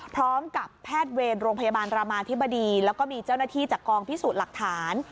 พร้อมกับแพทย์เวรโรงพยาบาลรามาธิบดีแล้วก็มีเจ้าหน้าที่จากกองพิสูจน์หลักฐาน